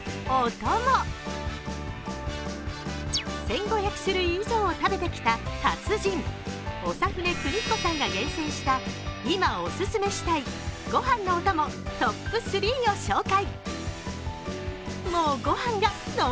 １５００種類以上を食べてきた達人、長船クニヒコが厳選した今お勧めしたい御飯のおともトップ３を紹介。